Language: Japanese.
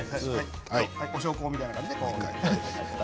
お焼香みたいな感じで。